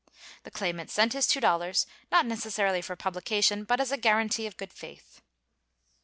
The claimant sent his $2, not necessarily for publication, but as a guaranty of good faith.